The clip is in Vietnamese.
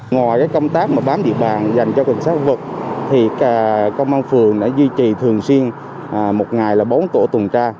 ngoài công tác bám địa bàn dành cho cảnh sát vật công an phường đã duy trì thường xuyên một ngày bốn tổ tuần tra